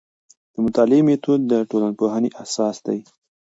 د مطالعې میتود د ټولنپوهنې اساس دی.